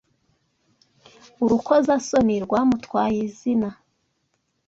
Urukozasoni rwamutwaye izina.